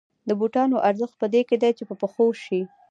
د بوټانو ارزښت په دې کې دی چې په پښو شي